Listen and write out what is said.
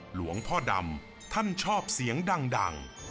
หลวงพ่อดำท่านชอบเสียงดัง